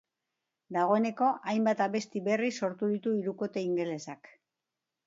Dagoeneko hainbat abesti berri sortu ditu hirukote ingelesak.